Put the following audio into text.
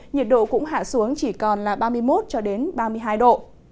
nhiệt độ cũng hạ xuống chỉ còn là ba mươi một ba mươi hai độ